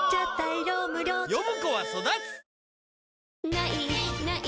「ない！ない！